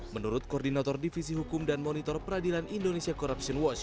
menurut koordinator divisi hukum dan monitor peradilan indonesia corruption watch